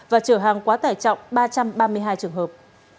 và trở hàng quá tải trọng ba trăm ba mươi hai trường hợp